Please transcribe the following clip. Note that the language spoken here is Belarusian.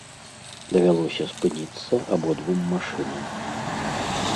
Давялося спыніцца абодвум машынам.